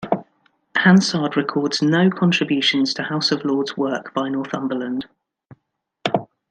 Hansard records no contributions to House of Lords work by Northumberland.